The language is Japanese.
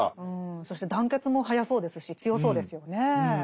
そして団結も早そうですし強そうですよねえ。